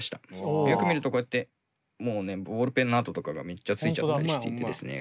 よく見るとこうやってもうねボールペンの跡とかがめっちゃついちゃったりしていてですね